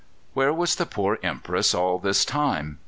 Where was the poor Empress all this time?